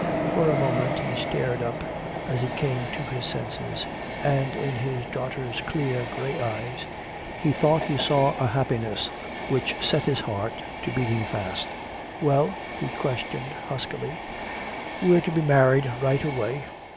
For a moment he stared up, as he came to his senses, and in his daughter's clear gray eyes he thought he saw a happiness which set his heart to beating fast. "Well?" he questioned huskily. "We're to be married right away."